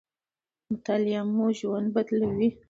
مطالعه مو ژوند بدلوي.